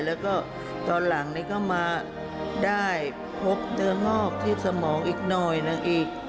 แล้วก็ตอนหลังนี้ก็มาได้พบเจองอกที่สมองอีกหน่อยหนึ่งอีก